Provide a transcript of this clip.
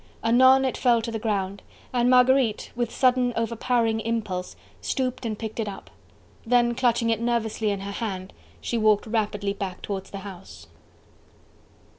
Anon it fell to the ground, and Marguerite with sudden overpowering impulse, stooped and picked it up. Then clutching it nervously in her hand, she walked rapidly back towards the house.